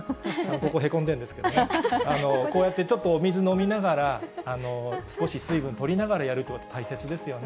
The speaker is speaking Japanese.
ここ、へこんでるんですけどね、こうやってちょっとお水飲みながら、少し水分とりながらやるということは大切ですよね。